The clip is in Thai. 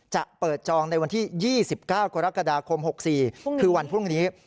จะเปิดจองในวันที่๒๙กรกฎาคม๖๔คือวันพรุ่งนี้